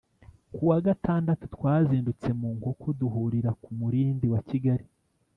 ku wa gatandatu, twazindutse mu nkoko duhurira ku murindi wa kigali